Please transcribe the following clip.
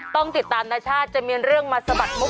ต้องติดตามนาชาติจะมีคามานเรื่องมาสะบัดมุกคับ